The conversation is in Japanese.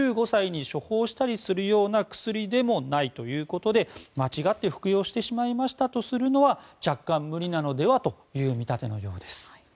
１５歳に処方したりするような薬でもないということで間違って服用してしまいましたとするのは若干無理なのではという見立てのようです。